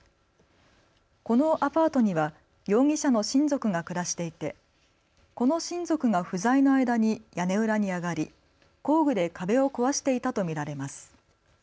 このアパートには容疑者の親族が暮らしていてこの親族が不在の間に屋根裏に上がり工具で壁を壊していたと見られます。